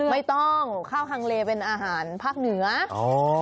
ไม่ต้องข้าวทางเลเป็นอาหารภาคนึก